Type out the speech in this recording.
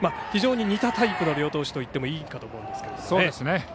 非常に似たタイプの両投手といっていいと思うんですけどね。